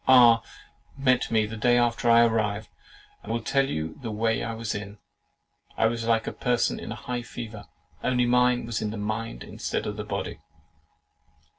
R—— met me the day after I arrived, and will tell you the way I was in. I was like a person in a high fever; only mine was in the mind instead of the body.